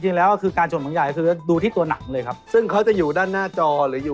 นี่คือนักเชิดหนังใหญ่วัดกระนอนหมายเลข๓กันเลย